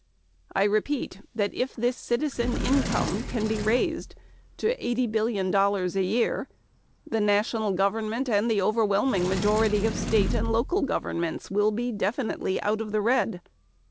I repeat that if this citizen income can be raised to eighty billion dollars a year the national government and the overwhelming majority of state and local governments will be definitely 'out of the red.'